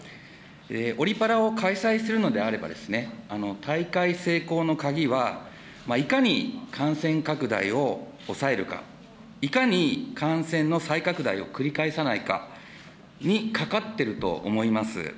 オリパラを開催するのであれば、大会成功の鍵はいかに感染拡大を抑えるか、いかに感染の再拡大を繰り返さないかにかかっていると思います。